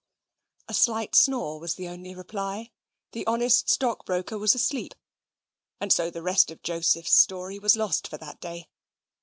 A slight snore was the only reply: the honest stockbroker was asleep, and so the rest of Joseph's story was lost for that day.